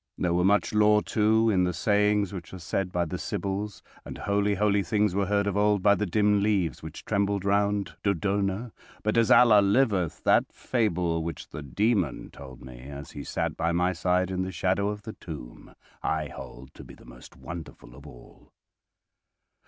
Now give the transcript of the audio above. There were much lore, too, in the sayings which were said by the Sybils, and holy, holy things were heard of old by the dim leaves which trembled round Dodona, but as Allah liveth, that fable which the Demon told me as he sat by my side in the shadow of the tomb, I hold to be the most wonderful of all."